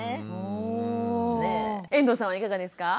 遠藤さんはいかがですか？